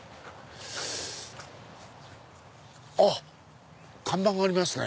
あっ看板がありますね。